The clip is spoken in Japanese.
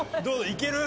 いける？